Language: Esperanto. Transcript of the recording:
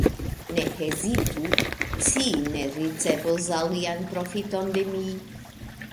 Ne hezitu, ci ne ricevos alian profiton de mi!